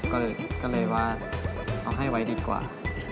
ก็เลยว่าเอาให้ไว้ดีกว่า